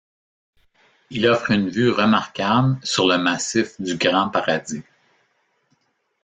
Il offre une vue remarquable sur le massif du Grand-Paradis.